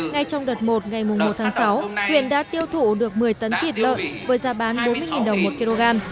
ngay trong đợt một ngày một tháng sáu huyện đã tiêu thụ được một mươi tấn thịt lợn với giá bán bốn mươi đồng một kg